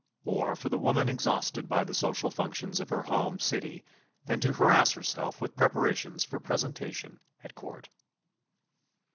Or for the woman exhausted by the social functions of her home city than to harass herself with preparations for presentation at Court!